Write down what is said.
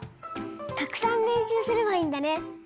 たくさんれんしゅうすればいいんだね。